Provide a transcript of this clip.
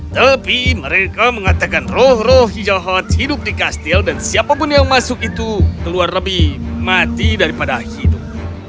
tapi mereka mengatakan roh roh hijau hot hidup di kastil dan siapapun yang masuk itu keluar lebih mati daripada hidup